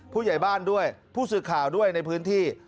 ผู้ใหญ่บ้านด้วยผู้สื่อข่าวด้วยในพื้นที่